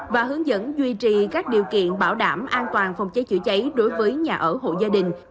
và hướng dẫn duy trì các điều kiện bảo đảm an toàn phòng cháy chữa cháy đối với nhà ở hộ gia đình